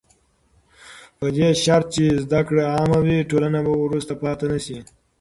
په دې شرط چې زده کړه عامه وي، ټولنه به وروسته پاتې نه شي.